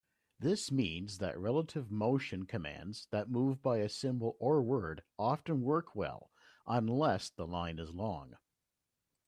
This means that relative motion commands that move by a symbol or word often work well unless the line is long.